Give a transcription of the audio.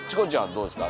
どうですか？